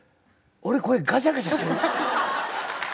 俺声ガシャガシャしてる？